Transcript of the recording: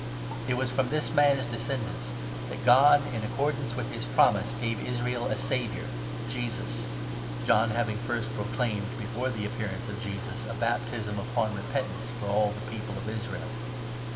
It was from this man's descendants 23 that God, in accordance with his promise, gave Israel a Saviour — Jesus ; John having first proclaimed, before the 24 appearance of Jesus, a baptism upon repentance for all the people of Israel.